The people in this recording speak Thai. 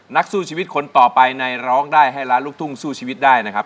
นักสู้ชีวิตคนต่อไปในร้องได้ให้ล้านลูกทุ่งสู้ชีวิตได้นะครับ